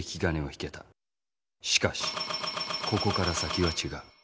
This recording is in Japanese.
しかしここから先は違う。